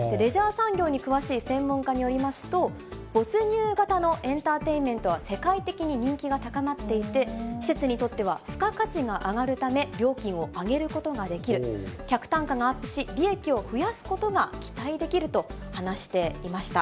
産業に詳しい専門家によりますと、没入型のエンターテインメントは、世界的に人気が高まっていて、施設にとっては付加価値が上がるため、料金を上げることができる、客単価がアップし、利益を増やすことが期待できると話していました。